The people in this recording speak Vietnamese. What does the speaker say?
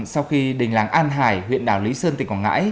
sau khi đình làng an hải huyện đảo lý sơn tỉnh quảng ngãi